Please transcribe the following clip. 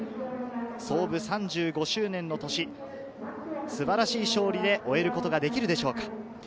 創部３５周年の年、素晴らしい勝利で終えることができるでしょうか。